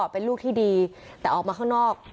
เป็นลูกที่ดีแต่ออกมาข้างนอก